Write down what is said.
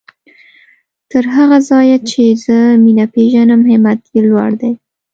تر هغه ځايه چې زه مينه پېژنم همت يې لوړ دی.